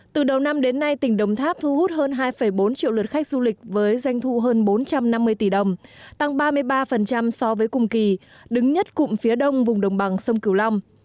từ đầu năm đến nay tỉnh đồng tháp thu hút hơn hai bốn triệu lượt khách du lịch với doanh thu hơn bốn trăm năm mươi tỷ đồng tăng ba mươi ba so với cùng kỳ đứng nhất cụm phía đông vùng đồng bằng sông cửu long